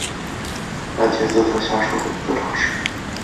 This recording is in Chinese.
兰切斯特下属的一座城市。